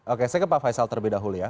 oke saya ke pak faisal terlebih dahulu ya